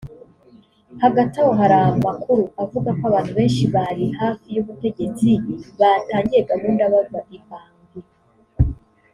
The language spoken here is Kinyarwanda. Hagati aho hari amakuru avuga ko abantu benshi bari hafi y’ubutegetsi batangiye guhunga bava i Bangui